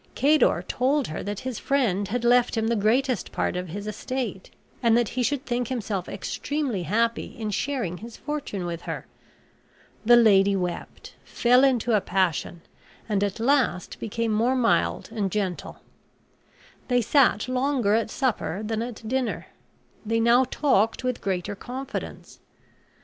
Cador told her that his friend had left him the greatest part of his estate; and that he should think himself extremely happy in sharing his fortune with her. The lady wept, fell into a passion, and at last became more mild and gentle. They sat longer at supper than at dinner. They now talked with greater confidence.